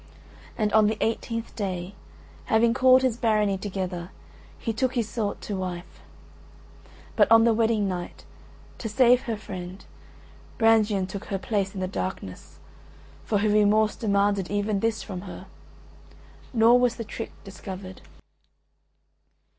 And on the eighteenth day, having called his Barony together he took Iseult to wife. But on the wedding night, to save her friend, Brangien took her place in the darkness, for her remorse demanded even this from her; nor was the trick discovered.